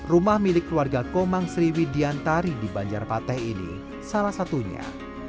rumah milik keluarga komang sriwi diantari di banjarpateh ini salah satunya